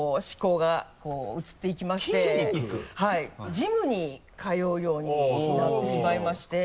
ジムに通うようになってしまいまして。